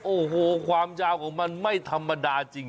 โอ้โหความยาวของมันไม่ธรรมดาจริง